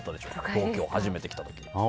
東京初めて来た時。